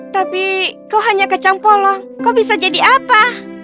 tapi kau hanya kacang polong kau bisa jadi apa